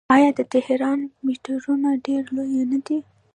آیا د تهران میټرو ډیره لویه نه ده؟